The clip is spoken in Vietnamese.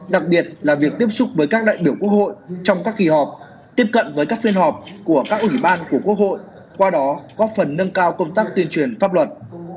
đặc biệt là việc tiếp xúc với các đại biểu quốc hội trong các kỳ họp tiếp cận với các phiên họp của các ủy ban của quốc hội qua đó góp phần nâng cao công tác tuyên truyền pháp luật